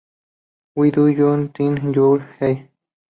Who do you think you are.